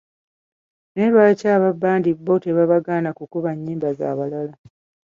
Naye lwaki aba bbandi bo tebabagaana kukuba nnyimba z'abalala.